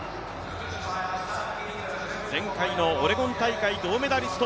前回のオレゴン大会銅メダリスト